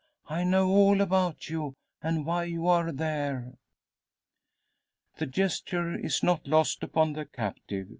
I know all about you, and why you are there." The gesture is not lost upon the captive.